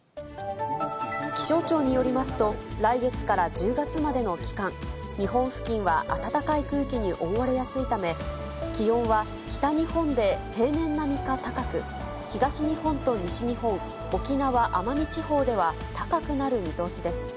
気象庁によりますと、来月から１０月までの期間、日本付近は暖かい空気に覆われやすいため、気温は北日本で平年並みか高く、東日本と西日本、沖縄・奄美地方では高くなる見通しです。